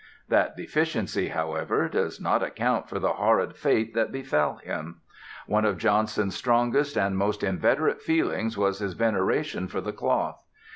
That deficiency, however, does not account for the horrid fate that befell him. One of Johnson's strongest and most inveterate feelings was his veneration for the Cloth.